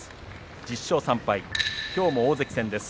１０勝３敗きょうも大関戦です。